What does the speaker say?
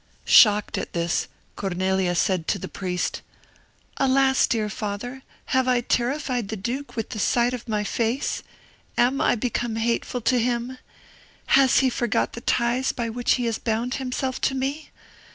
Shocked at this, Cornelia said to the priest, "Alas, dear father, have I terrified the duke with the sight of my face? am I become hateful to him? Has he forgot the ties by which he has bound himself to me?